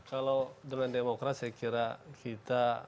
kalau dengan demokrat saya kira kita